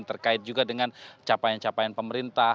terkait juga dengan capaian capaian pemerintah